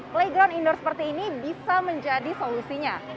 playground indoor seperti ini bisa menjadi solusinya